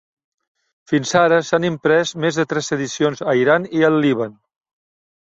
Fins ara s"han imprès més de tres edicions a Iran i el Líban.